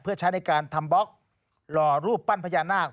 เพื่อใช้ในการทำบล็อกหล่อรูปปั้นพญานาค